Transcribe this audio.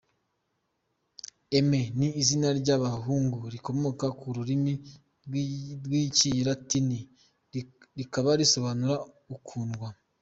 Aimé ni izina ry’ abahungu rikomoka ku rurimi rw’Ikilatini rikaba risobanura “Ukunndwa”.